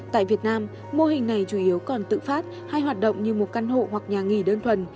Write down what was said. tại việt nam mô hình này chủ yếu còn tự phát hay hoạt động như một căn hộ hoặc nhà nghỉ đơn thuần